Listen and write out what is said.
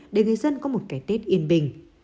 để người dân có một cái tết yên bình